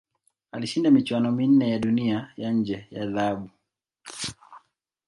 Alishinda michuano minne ya Dunia ya nje ya dhahabu.